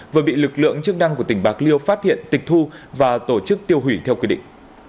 vừa bị lực lượng chức năng của tỉnh bạc liêu phát hiện tịch thu và tổ chức tiêu hủy theo quy định